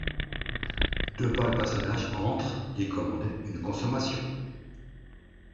Deux pâles personnages entrent et commandent une consommation.